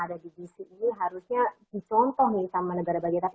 ada di sini harusnya dicontohi sama negara bagian tapi